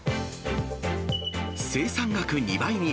生産額２倍に！